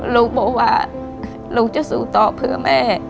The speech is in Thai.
ลูกบอกว่าลูกจะสู้ต่อเพื่อแม่